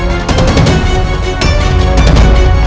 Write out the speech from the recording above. dan terima kasih untuk kemampuan lain